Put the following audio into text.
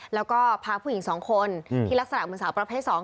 และก็พาผู้หญิงสองคนที่รักษณะเป็นสาวประเภทสอง